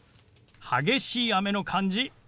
激しい雨の感じ